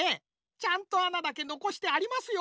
ちゃんと穴だけのこしてありますよ。